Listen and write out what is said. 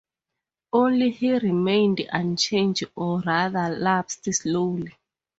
Only he remained unchanged, or rather, lapsed slowly.